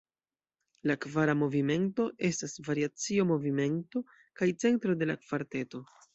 La kvara movimento estas variacio-movimento kaj centro de la kvarteto.